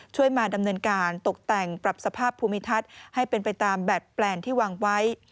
ช่วยมาดำเนินการตกแต่งปรับสภาพภูมิทัศน์ให้เป็นไปตามแบตแปลนที่วางไว้